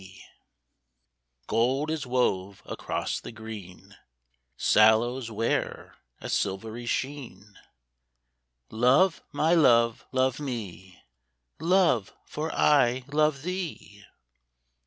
29 30 WHAT HE SINGS Gold is wove across the green, Sallows wear a silvery sheen :" Love, my love, love me, Love, for I love thee